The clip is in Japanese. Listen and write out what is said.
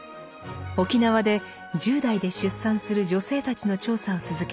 沖縄で１０代で出産する女性たちの調査を続け